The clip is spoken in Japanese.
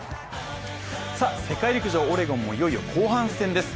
世界陸上オレゴンもいよいよ後半戦です。